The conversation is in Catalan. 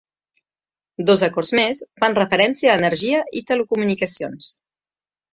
Dos acords més fan referència a energia i telecomunicacions.